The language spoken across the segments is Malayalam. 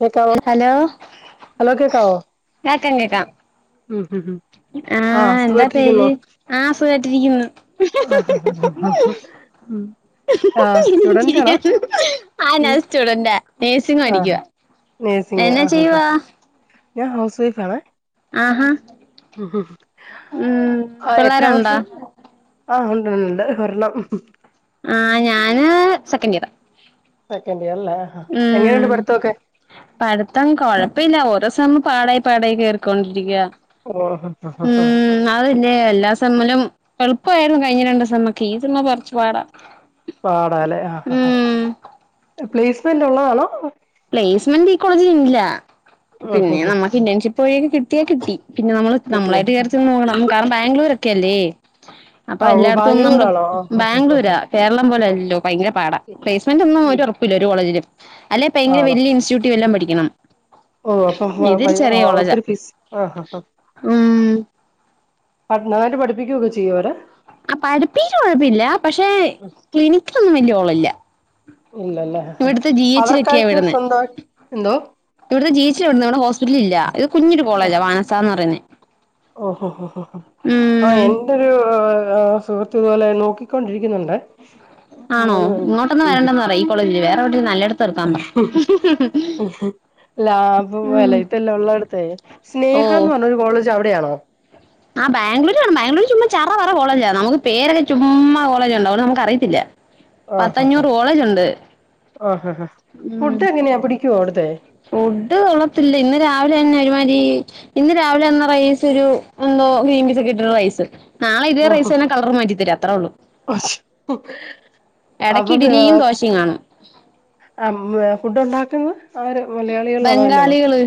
കേക്കാവോ ഹലോ ഹലോ കേക്കാവോ കേക്കാം കേക്കാം ഉം ഹും ആഹ് എന്താ പേര് ആഹ് ഇപ്പേട്ടിരിക്ക്ന്ന് ആഹ് ഹാ ഹാ ഹാ ഹാ ഉം ആഹ് സ്റ്റുഡന്റ് ആണോ ആഹ് ഞാന് സ്റ്റുഡെന്റാ നേഴ്സിങ് പഠിക്ക്യ നേഴ്സിങ്ങാ ആഹ് ഹാ ഹാഹ് ഞാൻ ഹൗസ് വൈഫാണ് ആഹാ ഉം ആഹ് എത്ര പിള്ളേരുണ്ടോ വർഷം ആഹ് ഉണ്ട്ണ്ട്ണ്ട് ഒരെണ്ണം ആഹ് ഞാന് സെക്കൻഡ് ഇയറ് സെക്കൻഡ് ഇയറ്ല്ലേ എങ്ങനെണ്ട് പഠ്ത്തൊക്കെ പഠ്ത്തം കൊഴപ്പല്ല ഓരോ സമയം പാടായി പാടായി കേറിക്കൊണ്ടിരിക്ക ഓ [unintelligible] അത് പിന്നെ എല്ലാ സെമ്മിലും എളുപ്പമായിരുന്നു കഴിഞ്ഞ രണ്ട് സമ്മക്കെ ഈ സെ മമ്കുറച്ച് പാടാ പാടല്ലേ ആ ഉം പ്ലേസ്മെന്റ് ഉള്ളതാണോ പ്ലേസ്മെന്റ് ഈ കോളജില് ഇല്ല ഉം പിന്നെ ഉം ഉം നമുക്ക് ഇന്റേൺഷിപ്പ് വഴിയൊക്കെ കിട്ടിയാ കിട്ടി പിന്നെ നമ്മള് കിട്ടിയോ നമ്മളായിട്ട് കേറി ചെന്ന് നോക്കണം കാരണം ബാംഗ്ലൂരൊക്കെല്ലേ അപ്പൊ ആഹ് എല്ലായിടത്തും ഒന്നും ബാംഗ്ലൂർ നമ്മള് ആണോ ബാംഗ്ലൂരാ കേരളം പോലല്ലോ ഭയങ്കര പാടാ പ്ലേസ്മെന്റ് ഒന്നും ഒരു ഉറപ്പില്ല ഒരു കോളേജിലും അല്ലെ ഭയങ്കര വല്യയ ഇൻസ്റ്റിറ്റൂട്ടിലെല്ലാം പഠിക്കണം ഓ അപ്പൊ ഇതൊരു ചെറിയ [unintelligible] കോളേജാ ഒത്തിരി ഫീസ് ആ ഹ ഹ ഉം [unintelligible] നന്നായിട്ട് പഠിപ്പിക്കൊക്കെ ചെയ്യുമോ അവരെ ആ പഠിപ്പി ര് കുഴപ്പമില്ല പക്ഷെ ക്ലിനിക്കിലൊന്നും വല്യയ ഓളമില്ല ഇല്ലല്ലേ അവർക്കായിട്ട് സ്വന്തമായിട്ട് എന്തോ ഇവിടത്തെ ജേച്ചിവിടന്ന് ഇവിടെ ഹോസ്പിറ്റല ഇല്ല ഇത് കുഞ്ഞൊരു കോളേജാ വാനസാ എന്ന് പറയേ ഓഹോ ഹോ ഹോ ഓ എൻ ന്റെ ഒരു സുഹൃത്തു ഇതുപോലെ നോക്കിക്കൊണ്ടിരിക്കുന്നുണ്ട് ആണോ മോന് വേണ്ടി ഇങ്ങോട്ടൊന്നന്ന് വരണ്ടന്ന്പറയ് ഈ കോളേജില് വേറെ എവിടെങ്കിലുംനല്ലേടത്ത് ഹും ഹും ലാഭ വല ഇതല്ല ഉള്ള ഇടത്തേ ഓ സ്നേഹ എന്ന് പറഞ്ഞ ഒരു കോളേജ് അവിടെയാണോ ആ ബംഗ്ലൂരു ആ ബാഗ്ലൂര് ചുമ്മ ചറ പറകോളേജ നമുക്ക് പേരൊക്കെ ചുമ്മകോളജ് ഉണ്ട് അതുകൊണ്ട്നമക്ക് അറിയത്തില്ല ആ ഹ ഹ പത്തഞ്ഞൂറ് കോളേജുണ്ട് ആ ഹ ഉം ഹഫുഡ് എങ്ങനെയാ പിടിക്കോ അവിടത്തെ ഫുഡ് കൊളത്തില്ല ഇന്ന് രാവിലെ തന്നെ ഒരുമാതിരി ഇന്ന് രാവിലെ തന്ന റൈസ് ഒരു എന്തോ ഗ്രീൻ പീസ് ഒക്കെ ഇട്ട് ഒരു റൈസ് നാളെ ഇതേ റൈസ് തന്നെ കളർ മാറ്റിത്തരും അത്രയേ ഉള്ളൂ ഓച്ച് ഉം എടയ്ക്ക് ഇഡ്ലിയും ദോശയും കാണും ആ ഫുഡ് ഉണ്ടാക്കുന്നത് അവര് മലയാളികളാണോ അല്ലണോ ബംഗാളികള്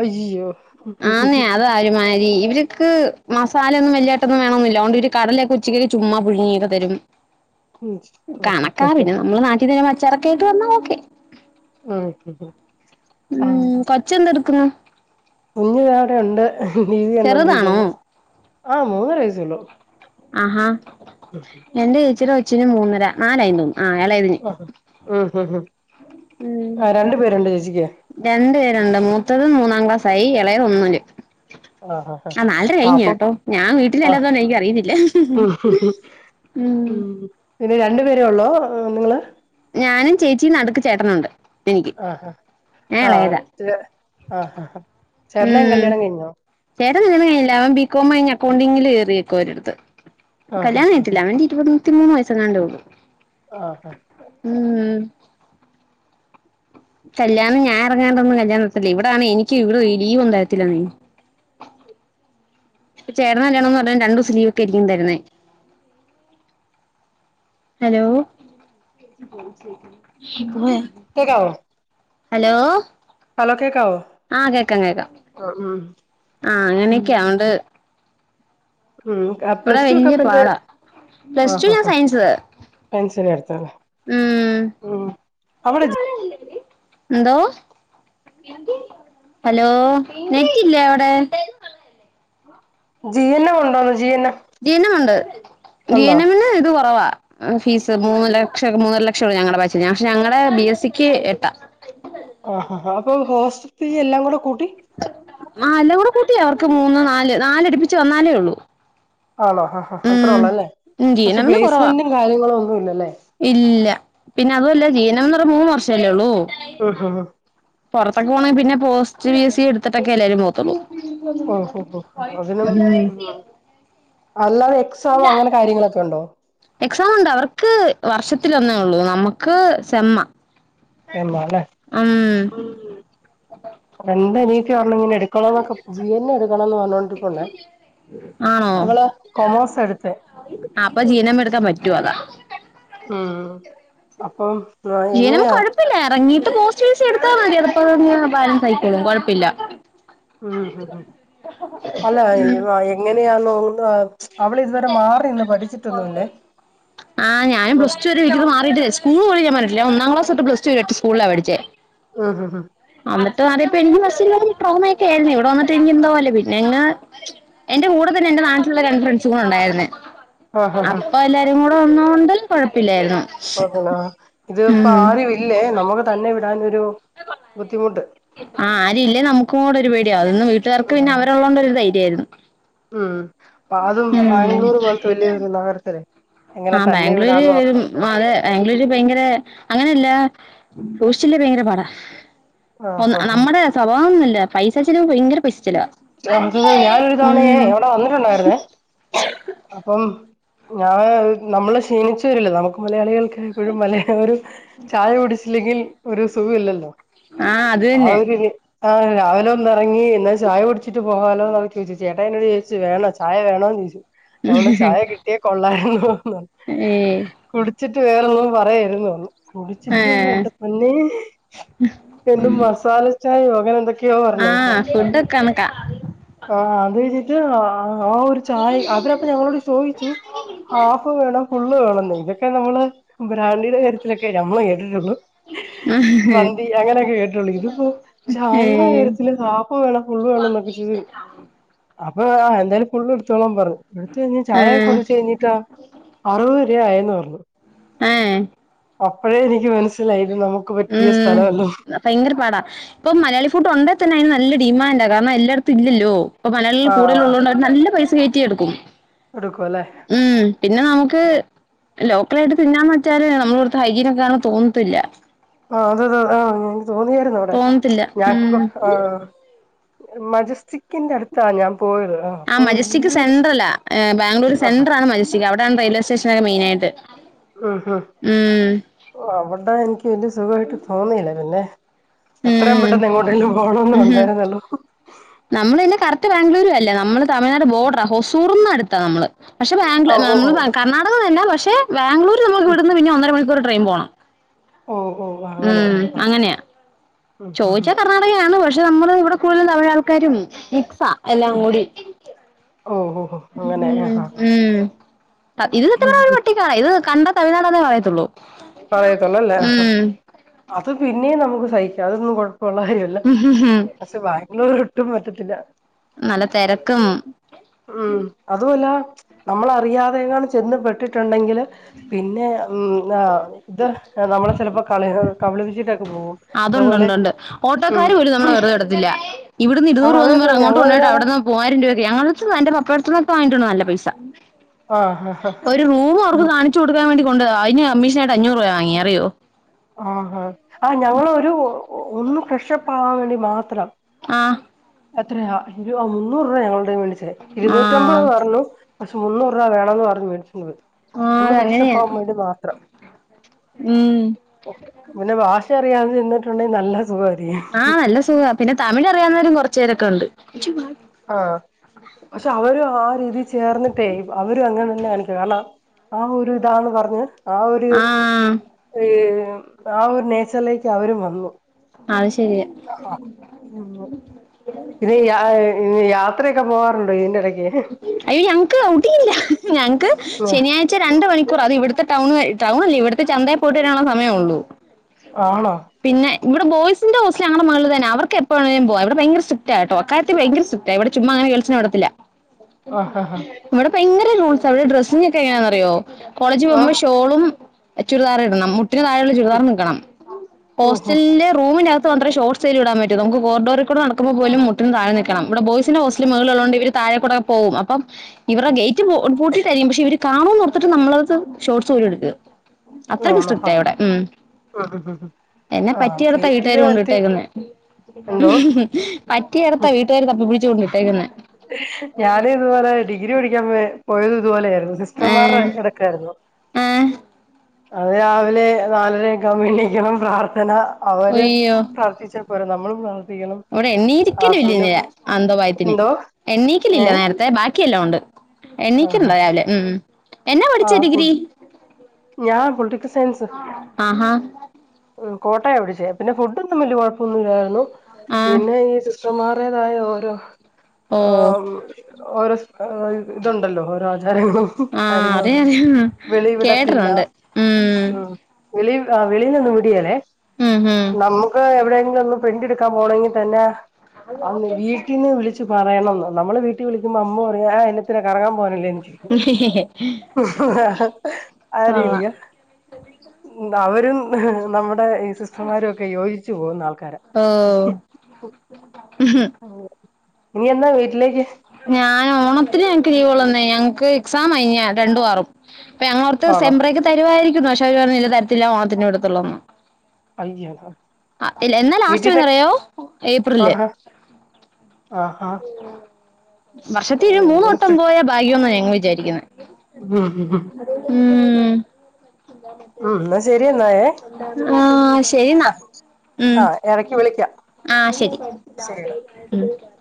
അജോ ഹും ഹും ആന്നേ അതാ ഒരുമാതിരി ഇവർക്ക് മസാല ഒന്നും വല്യയായിട്ട് വേണമെന്നില്ല അതുകൊണ്ട് ഒരു കടലയൊക്കെ ഉച്ചക്ക് ചുമ്മാ പുഴുങ്ങി തരും കണക്കാ പിന്നെ നമ്മള് നാട്ടീന്ന് വരുമ്പോൾ അച്ചാർ ഒക്കെ ആയിട്ട് വന്നാ ഓക്കേ ഓഹ ഹ ആഹ് ജ് എന്തെടുക്കുന്നു കുഞ്ഞു താഅവിടെ ഉണ്ട് ടിവി ചെറുതാണോ കണ്ടോണ്ടിരിക്കുന്നു ആ മൂന്നര വയസുള്ളു ആഹാ ഉ എൻറെ ചേച്ചിയുടെ കൊച്ചിന് നാലായി എന്ന് തോന്നുന്നു ഉ ഉ ആ രണ്ടു പേരുണ്ട് ചേച്ചിക്ക് രണ്ട് പേരുണ്ട് മൂത്തത് മൂന്നാം ക്ലാസായി ഇളയത് ഒന്നില് ആഹ് ആഹ് ആ നാലര കഴിഞ്ഞ് കേട്ടോ ഞാൻ ആഹ് വീട്ടിലല്ലാതോണ്ട് എനിക്ക് അറിയത്തില്ലെ ഉം പിന്നെ രണ്ടു പേരേ ഉള്ളോ നിങ്ങള് ഞാനും ചേച്ചിയും നടുക്ക് ചേട്ടനുണ്ട് എനിക്ക് ആഹഹാ ഞാൻ എളയതാ ആഹ ആ ചേട്ടന്റെ ഉം കല്യാണം കഴിഞ്ഞോ ചേട്ടൻ കല്യാണം കഴിഞ്ഞില്ല അവൻ ബി കോം കഴിഞ്ഞു അക്കൗണ്ടിങ്ങിൽ കയറിയേകുവ ഒരിടത്ത് ആഹ് കല്യാണം ആഹ് കഴിഞ്ഞിട്ടില്ല അവന് ഇരുപത്തി മൂന്ന് വയസ്സങ്ങാണ്ട് ഉള്ളു ആഹ ഉം കല്യാണം ഞാൻ ഇറങ്ങാണ്ടന്ന കല്യാണം നടത്തി ഇവിടാണ് എനിക്ക് ഇവിടെ ഒരു ലീവ് തരത്തില്ലാ നെ ചേട്ടന്റെ കല്യാണം എന്ന് പറഞ്ഞാ രണ്ടും ദിവസം ലീവ് ഒക്കെയായിരിക്കും തരുന്നെ ഹലോ ശെ പോയ കേക്കാവോ ഹലോ ഹലോ കേക്കാവോ ആഹ് കേക്കാം കേക്കാം ആഹ് ഉം ആഹ് അങ്ങനെയൊക്കെ ഓണ്ട് ഉം ഉം വിടെ പ്ലസ് ടു ഒക്കെ വല്യ ഇപ്പ എന്ത് പാടാ പ്ലസ് ടു ഞാൻ സയൻസ് പെൻസെറി എട്ത്താൺ ഉം ഉം അവ്ടെ ജെ എന്തോ ഹലോ നെറ്റില്ലേ അവിടെ ജി എൻ എം ഉണ്ടോന്ന് ജി എൻ എം [unintelligible] ജീനമുണ്ട് ഉണ്ടോ ഗീനമിന് ഇത് കൊറവാ എഹ് ഫീസ് മൂന്നു ലക്ഷം മൂന്നര ലക്ഷം ഉള്ള ഞങ്ങളുടെ ബാച്ചിന് പക്ഷെ ഞങ്ങളെ ബി എസ് സിക്ക് എട്ടാ ആഹ് ആഹ് അപ്പൊ ഹോസ്റ്റൽ ഫീ എല്ലാം കൂടെ കൂട്ടി ആഹ് എല്ലാം കൂടെ കൂട്ടിയ അവർക്ക് മൂന്ന് നാല് നാല അടിപ്പിച്ച് ന്നാലേ ഉള്ളൂ ആണോ അഹ് ഹ ഹ അത്രേ ഉം ഉള്ളൂ അല്ലേ ഉം പക്ഷെ ജീവനത്തിന് കുറവാ പ്ലേസ്മെന്റും കാര്യങ്ങളും ഒന്നുല്ലല്ലേ ഇല്ല പിന്നെ അതുഅല്ല ജീനന്ന് പറഞ്ഞാ മൂന്ന് വർഷല്ലേ ഉള്ളൂ ഉം ഉം ഹ് പുറത്തൊക്കെ പോണ പിന്നെ പോസ്റ്റ് ബീസി എടുത്തിട്ടക്കെ എല്ലാരും നോക്കുന്നെ ഉം ഉം ഉം ഉം ഉം. അതിനും ഉം അല്ലാതെ എക്സാമോ അങ്ങനെ കാര്യങ്ങളൊക്കെ ഉണ്ടോ എക്സാം ഉണ്ട് അവർക്ക് വർഷത്തിലൊന്നേ ഉള്ളൂ നമുക്ക് സെമ്മ സെമ്മ ല്ലേ ഉം ഉം കൊളന്താ എണിറ്റ് വന്ന് ഇങ്ങനെ എട് ക്കണംന്നൊക്കെ ജി എൻ എടുക്കണംന്ന് പറഞ്ഞോണ്ടിരുപ്പുണ്ട് ആണോ അവള് കൊമേഴ്സ് എടുത്തെ അപ്പൊ ജീനം മ് എടുക്കാൻ പറ്റുവ അതാ ഉം അപ്പം എങ്ങനെയാ ഇല്ല എറങ്ങീട്ട് കോസ്റ്റ്യസ് എടുത്താ മതി എപ്പ ബാലൻസ് ആയിക്കോളും കുഴപ്പല്ല ഊം ഉം ഉം അല്ലാ ഇഞ്ഞുപ്പാ എങ്ങനെയാന്നോന്നും ആർ അവള് ഇതുവരെ മാറിന്ന് പഠിച്ചിട്ടൊന്നുല്ലേ അപ്പം [unintelligible] മാറിട്ടില്ല സ്കൂള് പോലും ഞാൻ മാറീട്ടില്ല യ ഒന്നാം ക്ലാസ് തൊട്ടു പ്ലസ് ടു വരെ ഒറ്റ സ്കൂളാ പഠിച്ചേ ഉം ഉം ഉം അമ്പിട്ടും [unintelligible] എനിക്ക് ട്രോമയൊക്ക ആയിരുന്നു ഇവിടെന്നട്ട് എനിക്ക് എന്തോലേ പിന്നെ ഇങ്ങ് എന്റെ കൂടെ തന്നെ എന്റെ നാട്ടിലുള്ള രണ്ട് ഫ്രണ്ട്സ്സ് കൂടെ ഉണ്ടായിരുന്നെ ആഹ് ആഹ് അപ്പൊ എല്ലാരും കൂടെ വന്നു കൊണ്ട് കൊഴപ്പില്ലായിരുന്നു [unintelligible] ഇതിപ്പോ ഉം ആരു ഇല്ലേ നമുക്ക് തന്നെ വിടനൊരു ബുദ്ധിമുട്ട് ആഹ് ആരും ഇല്ലെ നമുക്കും കൂടെ ഒര് പേടിയാ അതൊന്നും വീട്ട്കാർക്ക് പിന്നെ ഉം അവര് ഉള്ളോണ്ട് ഒര് ധൈര്യ ആയിരുന്നു. ഉം അപ്പൊ അതും ബാംഗ്ലൂർ പോൽത്തെ വല്യ നഗരത്തില് ആഹ് ബാംഗ്ലൂര് ഉം അതെ ബാംഗ്ലൂര് ഭയങ്കര അങ്ങനെയല്ല സൂക്ഷിച്ചില്ലെ ഭയങ്കര പാട ഒന്ന് ആഹ് ആഹ് നമ്മടെ സ്വഭാവം ഒന്നുല്ല പൈസ ചെിലവ് ഭയങ്കര പൈസ ചെലവാ അത് ഞാനൊരു തവണയേ ഉം അവിടെ വന്നിട്ടുണ്ടായിരുന്നേ അപ്പം ഞാൻ നമ്മളെ ക്ഷീണിച്ച വര്ല്ലേ നമുക്ക് മലയാളികൾക്ക് [unintelligible] പ്പഴും മല ഒരു ചായ കുടിച്ചില്ലെങ്കിൽ ഒരു സുഖ ഇല്ലല്ലോ ആ അത് തന്നെ ആഒരു രി ആഹ് രാവിലെ ഒന്നറങ്ങി ന്നാ ചായ കുടിച്ചിട്ട് പോകാലോ വിചാരിച്ചു ചേട്ടായി ന്നോട് ചോദിച്ചു ചേട്ടായി ന്നോട് ചോദച്ചു വേണോ ചായ വേണോന്ന് ചോദിച്ചു. ഞൻ പറഞ്ഞു. ചായ കിട്ടിയ കൊള്ളായിരുന്നു. ഏഹ് കുടിച്ചിട്ട് വേറൊന്നും പറയാരിന്നു കുടിച്ചിട്ടും ഏ എന്റെ അന്നേ രണ്ടു മസാലചായ വാങ്ങാനെന്തൊക്കെ ത്യ പർഞ് ആഹ് അത് ഫുഡൊക്കെ കണക്കാ ആഹ് അതഴിഞ്ഞിട്ട് ആഹ് ഒരു ചായ അവരപ്പ ഞങ്ങളോട് ചോദിച്ചു ആഹ് പ്പോ വേണോ ഫുള്ള് വേണംന്ന് ഇതൊക്കെ നമ്മള് ബ്രാണ്ടിയുടെ കാര്യത്തിലൊക്കെ നമ്മൾ കേട്ടിട്ടുള്ളു. ഏഹ് മന്തി അങ്ങനെയൊക്കെ കേട്ടിട്ടുള്ളൂ ഇതിപ്പോ ചായടെ കാര്യത്തില് ആ ഫോ വേണം ഫുള്ള് വേണം ന്നൊക്കെ ചോയ്ച്ച അപ്പൊ ആഹ് എന്തായാലും ഫുള്ള് ടുത്തോളാം പറഞ്ഞു. എടുത്ത്ഴിഞ് ചായയൊക്കെ ആഹ് കുടിച്ച് കഴിഞ്ഞിട്ടോ അറുവത് രൂവ ആയെന്ന് പറഞ്ഞു. ഏഹ് അപ്പഴേ എനിക്ക് മനസ്സിലായി ഇത് നമുക്ക് പറ്റിയ ഉം സ്ഥലവല്ല ഭയങ്കര പാടാ ഇപ്പൊ മലയാളി ഫുഡ് ഒണ്ടേ തന്നെ അയ്നു നല്ല ഡിമാൻഡ കാരണം എല്ലായിടത്തും ഇല്ലല്ലോ. പ്പൊ മലയാളികൾ കൂടുതൽ ആഹ് ഉള്ളൊണ്ട് അവര് നല്ല പൈസ കയറ്റി യെടുക്കും ടുക്കുവല്ലേ ഉം, പിന്നെ നമുക്ക് ലോക്കലായിട്ട് തിന്നാൻ പറ്റാതെ നമ്മൾ കൊടുത്ത ഹൈജീനൊക്കെയാണെന്ന് തോന്നത്തില്ല ആ [unintelligible] തോന്നിയായിരുന്നു അവിടെ തോന്നത്തില്ല ഞാൻ ഉം ക്ക് മജസ്റ്റിക്കിന്റെ അടുത്താ ഞാൻ പോയിരുന്ന്. ആ മജിസ്റ്റിക്ക് സെൻട്രല ഏഹ് ബാംഗ്ളൂർ ആഹ് സെന്ടരാണ് മജസ്റ്റിക് അവിടെണ് റെയിൽവേ സ്റ്റേഷൻ ഒക്കെ മെയിനായിട്ട്. ഉം ഹും. ഉം അവിടെ എനിക്ക് വലിയ സുഖായിട്ട് തോന്നിയില്ല പിന്നെ എത്രേം ഉം പെട്ടെന്ന് എങ്ങോട്ടേലും പോണന്നേ ഉണ്ടായിരുന്നള്ളൂ. നമ്മള് ഇന്ന്കറക്ട് ബാംഗ്ലൂരും അല്ല നമ്മള് തമിഴ്നാട് ബോർഡറ ഹൊസൂറിന് അടുത്താണ് നമ്മള്. പക്ഷെ ബാംഗ്ലു ഓ ഓ നമ്മ കർണാക തന്നേ പക്ഷെ ബാംഗ്ലൂര് ഓ നമുക്കിവ്ട്ന്ന് പിന്നെ ഒന്നര മണിക്കൂർ ട്രെയിൻ പോണം. ഓഹൊ ഹോ ഓ അങ്ങനെ ഉം ആഹ് അങ്ങനെയാ ഉം ഉം. ചോദിച്ചാൽ കർണാടകയാണ്. പക്ഷെ നമ്മള് ഇവിടെ കൂടുതൽ പല ആൾക്കാരും മിക്സാ എല്ലാം കൂടി. ഓഹ് ഓ ഉം അങ്ങനെ ആഹാ ഉം പ ഇത് [inaudible] [unintelligible] ഇത് കണ്ട തമഴ്നാടന്നേ പറയത്തുള്ളൂ. പറയത്തുള്ളൂല്ലേ ഉം അത് പിന്നീം നമുക്ക് സഹിക്കാ അതൊന്നും. കൊഴ പ്പള്ള കാര്യല്ല പക്ഷെ ബാംഗ്ലൂർ ഒട്ടും പറ്റത്തില്ല നല്ല തിരക്കും ഉം, അതുവല്ല നമ്മളറിയാതെ എങ്ങാനും ചെന്ന് പെട്ടിട്ടുണ്ടെങ്കിൽ. പിന്നെ ഉം ആ ഇത് നമ്മളെ ചിലപ്പോകളി കബളിപ്പിച്ചിട്ടൊക്കെ പോകും. അതുപോലെ അതുണ്ടുണ്ട് ഉണ്ട് ഉം ഓട്ടോക്കാർ പോലും നമ്മളെവെറുതെ വിടത്തില്ല. ഇവിടുന്ന് ആ ഇരുന്നൂറ് രൂപ അതെ ന്നും അതെ പറഞ്ഞു അങ്ങോട്ട് കൊണ്ട് പോയിട്ട് ഞങ്ങളൊരാള് അവിടുന്ന് മൂവായിരം രൂവക്കെ ഞങ്ങളട്ത് എന്റെമക്കളട്ത്ത ന്നും ഒക്കെവാങ്ങീട്ടുണ്ട് ന ല്ല പൈസ. ആ ആ ആ ഒരു റൂം അവർക്ക് കാണിച്ച് കൊടുക്കാൻ വേണ്ടി കൊണ്ടു പോയതാ അതിന് കമ്മീഷനായിട്ട് അഞ്ഞൂറ് രൂപ വാങ്ങിയേ അറിയോ? ആ ഹാ ആ ഞങ്ങളൊരു ഒന്ന് ഫ്രഷപ്പ് ആവാൻ വേണ്ടി മാത്രം ആഹ് എത്രയാ മുന്നൂറ് രൂപ ഞങ്ങളടേ അടുത് ന്ന് വെടിച്ചേ ഇരുന്നൂറ്റമ്പത് ആഹ് പറഞ്ഞു. പക്ഷേ മുന്നൂറ് രൂപ വേണന്ന് പറഞ്ഞു മേടിച്ചു പോയി. ആഹ് ഒന്ന് അതങ്ങനെയാ ഫ്രഷാപ്പാവാൻ വേണ്ടി മാത്രം. ഉം പിന്നെ ബാഷ അറിയാതെ നിന്നിട്ടുണ്ടെങ്കിൽ നല്ല സുഖായിരുന്നു. ആഹ്, നല്ല സുഖ പിന്നെ തമിഴ് അറിയാവുന്നവരും കുറച്ച പേരൊക്കെ ഉണ്ട്. ആഹ്, പക്ഷെ അവരും ആ രീതി ചേർന്നിട്ടേ അവരും അങ്ങനെ തന്നെ കാണിക്കു കാരണം. ആ ഒരു ഇതാന്ന് പറഞ്ഞ് ആ ഒരു. ആഹ് ആഹ് ഒരു നേച്ചറിലേക്ക് അവരും വന്നു. അഅ് ശരിയ ഉമ്മു ഇത് ഏഹ് അ്അ് യാത്രയൊക്കെ പോവാറുണ്ടോ ഇതിന്റെടക്ക് അയ്യോ ഞങ്ങക്ക് ഔട്ടിങ്ങില്ല ഞങ്ങക്ക് ആഹ് ശനിയാ ഴ്ച രണ്ട് മണിക്കൂറാ അത് ഇവിടുത്തെ ടൗൺ വരെ ടൗൺ അല്ലേ ഇവിടുത്തെ ചന്തയീ പോയിട്ട് വരാനുള്ള സമയേ ഒള്ളൂ ആണോ പിന്നെ ഇവിടെ ബോയ്സിന്റെ ഹോസ്റ്റല് ഞങ്ങള മേളിൽ തന്നാ അവർക്ക് എപ്പോ വേണെങ്കിലും പോകാ ഇവിടെ ഭയങ്കര സ്ട്രിക്ടാ കെട്ടോ അക്കാര്യത്തി ഭയങ്കര സ്രിക് ഇവിടെ ചുമ്മാ അങ്ങനെ ഗേൾസിന വിടത്തില്ല ആഹ് ആഹ് ഹാ ഇവിടെ ഭയങ്കര റൂൾസാ ഇവിടെ ഡ്രസ്സിങൊക്കെ എങ്ങനാന്നറിയോ കോളേജ് പോകുമ്പോ ആഹ് ഷോളും ചുരിദാർ ഇടണം മുട്ടിന് താഴെയുള്ള ചുരിദാറി നിൽക്കണം ഓഹോ ഹോസ്റ്റലിലെ റൂമിനകത്ത് മാത്രേ ശോട്സ് സേലും ഇടാൻ പറ്റൂ നമുക്ക് കോറിഡോറിക്കൂടെ നടക്കുമ്പ പോലും മുട്ടിന് താഴെ നിക്കണം ഇവിടെ ബോയിസിന്റെ ഹോസ്റ്റൽ മേളിളുള്ളോണ്ട് ഇവര് താഴെക്കൂടൊക്കെ പോവും അപ്പം ഇവര്ടെ ഗേറ്റ് പൂട്ടിട്ടായിരിക്കും പക്ഷെ ഇവർ കാണോന്നോർത്തിട്ട് നമ്മളട്ത്ത് ഷോർട്ട് സ് [unintelligible] അത്രയ്ക്ക് ആണോ സ്ട്രിക്ടാ ആഹ് ഇവിടെ ഉം ആഹ് എന്നെ ആഹ് പറ്റിയെടുത്ത വീട്ടുകാര് സേഫ്റ്റിയുടെ കൊണ്ട് കാര്യത്തിൽ ഇട്ടേക്കുന്ന എന്തോ പറ്റിയിടത്താ വീട്ടുകാര് തപ്പി പിടിച്ചു കൊണ്ടിട്ടേക്കുന്നെ ഞാനും ഇതുപോലെ ഡിഗ്രി പഠിക്കാൻ പോയ പോയതും ഇതുപോലെ ആയിരുന്നു. സിസ്റ്റർമാരുടെ ഇടക്കായിരുന്നു ആഹ് അതി രാവിലെ നാലരയൊക്കെ ആവുമ്പോ എണീക്കണം പ്രാർത്ഥന അവര് ഒയ്യോ പ്രാർത്ഥിച്ച വര് നമ്മളും പ്രാ ഇവിടെ എണ്ണീയിരിക്കലും ഇല്ലാ ഞാൻ അന്തഭയത്തിന് എന്തോ എണ്ണീക്കലില്ല ഏഹ് നേരത്തെ ബാക്കിയെല്ലാം ഉണ്ട് എണ്ണീക്കണ്ട ആഹ് രാവിലെ ഉം ഉം എന്നാ പഠിച്ചേ ആഹ് ഡിഗ്രി ഫുഡ് ഞാൻ പൊളിറ്റിക്കൽ സയൻസ് ആഹാ ഉം കോട്ടയാ പഠിച്ചേ പിന്നെ ഫുഡൊന്നും വലിയ കൊഴപ്പൊന്നുല്ലായിരുന്നു ആഹ് പിന്നെ ഈ സിസ് റ്റർ മാരുടേതായ ഓരോ ഓഹ് ആഹ് ഓരോ ഏഹ് ഇതുണ്ടല്ലോ ഓരോ ആചാരങ്ങളും ആഹ് കാര്യങ്ങളൊക്കെ അറിയാ അറിയാ വെളിവിട ത്തില്ല ഉം വെളി ആഹ് വെളീന്നൊന്നും വിടിയേലേ ഉം ഉം നമ്മു ക്ക്‌ എവിടെയെങ്കിലും ഒന്ന് പ്രിന്റ് എടുക്കാൻ പോണെങ്കിൽ തന്നെ അന്ന് വീട്ടിൽന്ന് വിളിച്ച് ച്ച് പറയണംന്ന് നമ്മള് വീട്ടിൽ വിളിക്കുമ്പോ അമ്മ പറയും ആഹ് അയിന് ത്തിനാ കറങ്ങാൻ പോവാനല്ലേന്ന് ചോയിക്കും ആ രീതിയ കൊള്ളാം ഉം അവരും നമ്മുടെ സിസ്റ്റർമാരൊക്കെ യോജിച്ചു പോവുന്ന ആൾക്കാരാ ഹ് ഹും ഇനി എന്നാ വീട്ടിലേക്ക് ഞാൻ ഓണത്തിന് ഞങ്ങക്ക് ലീവൊള്ളൂന്നെ ഞങ്ങക്ക് എക്സാം ആ ഇനി രണ്ടു ആറും അപ്പ ഞങ്ങളോർത്ത് ആണോ സെംമ്പ്രേക്ക് തരുവായിരിക്കുന്ന് പക്ഷെ അവര് പറഞ്ഞു ഇല്ല തരത്തില്ല ഓണത്തിനെ വിടുത്തുള്ളോന്ന് അയ്യോ ആഹ് എന്നാ ലാസ്റ്റ് വീട്ടീന്ന് വരുംന്ന് അറിയോ ഏപ്രില് ആഹ് ആഹ് വർഷത്തിലൊരു മൂന്ന് വട്ടം പോയാ ഭാഗ്യന്നാ ഞങ്ങൾ വിചാരിക്കുന്നെ. ആഹ് ആഹ് ഉം ഉം എന്നാ ശരി എന്നായേ ആഹ് ശെരിന്നാ ആ ഉം ആ ഇടക്ക് വിളിക്കാം ആഹ് ശരി ശരിടാ ഉം